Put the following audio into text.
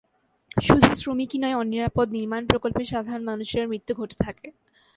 শুধু শ্রমিকই নয়, অনিরাপদ নির্মাণ প্রকল্পে সাধারণ মানুষেরও মৃত্যু ঘটে থাকে।